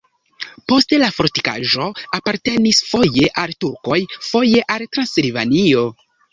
Poste la fortikaĵo apartenis foje al turkoj, foje al Transilvanio.